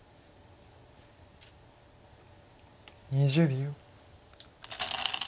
２０秒。